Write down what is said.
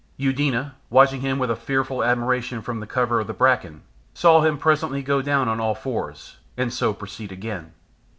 Eudena, watching him with a fearful admiration from the cover of the bracken, saw him presently go on all fours, and so proceed again.